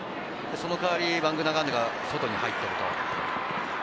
その代わりバングーナガンデが外に入っている。